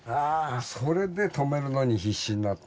それで止めるのに必死になって。